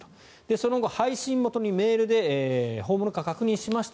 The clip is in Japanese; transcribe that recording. その後、配信元にメールで本物か確認しました。